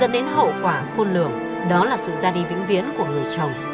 dẫn đến hậu quả khôn lường đó là sự ra đi vĩnh viễn của người chồng